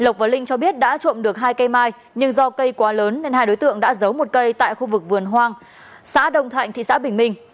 lộc và linh cho biết đã trộm được hai cây mai nhưng do cây quá lớn nên hai đối tượng đã giấu một cây tại khu vực vườn hoang xã đồng thạnh thị xã bình minh